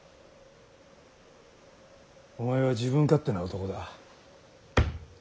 お前は自分勝手な男だ。